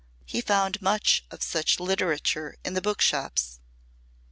He found much of such literature in the book shops.